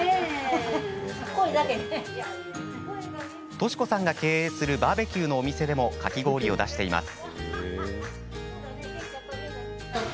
敏子さんが経営するバーベキューのお店でもかき氷を出しています。